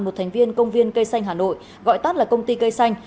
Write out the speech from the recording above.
một thành viên công viên cây xanh hà nội gọi tắt là công ty cây xanh